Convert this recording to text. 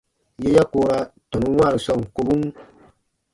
Yè ya koora tɔnun wãaru sɔɔn kobun.